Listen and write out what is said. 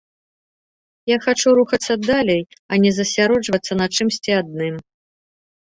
Я хачу рухацца далей, а не засяроджвацца на чымсьці адным.